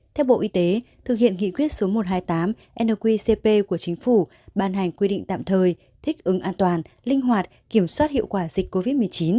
theo bộ y tế thực hiện nghị quyết số một trăm hai mươi tám nqcp của chính phủ ban hành quy định tạm thời thích ứng an toàn linh hoạt kiểm soát hiệu quả dịch covid một mươi chín